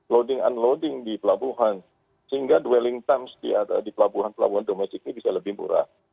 loading unloading di pelabuhan sehingga dwelling time di pelabuhan pelabuhan domestik ini bisa lebih murah